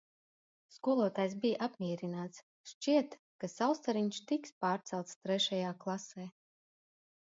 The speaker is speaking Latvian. Skolotājs bija apmierināts, šķiet ka Saulstariņš tiks pārcelts trešajā klasē.